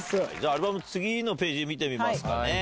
アルバム次のページ見てみますかね。